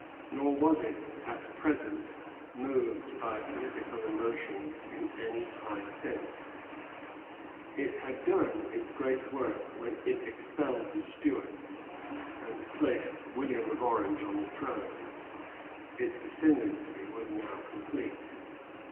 Nor was it at present moved by political emotions in any high sense. It had done its great work when it expelled the Stuarts and placed William of Orange on the throne; its ascendency was now complete.